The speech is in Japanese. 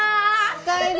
お帰り。